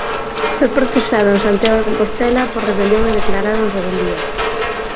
Foi procesado en Santiago de Compostela por rebelión e declarado en rebeldía.